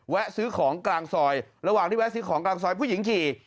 ซื้อของกลางซอยระหว่างที่แวะซื้อของกลางซอยผู้หญิงขี่